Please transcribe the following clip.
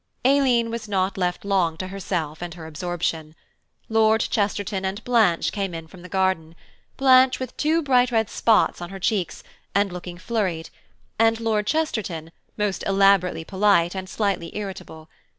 Aileen was not left long to herself and her absorption. Lord Chesterton and Blanche came in from the garden, Blanche with two bright red spots on her cheeks, and looking flurried, and Lord Chesterton, most elaborately polite, and slightly irritable.